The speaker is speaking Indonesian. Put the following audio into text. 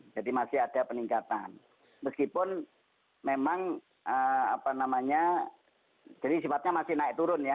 jadi masih ada peningkatan meskipun memang apa namanya jadi sifatnya masih naik turun ya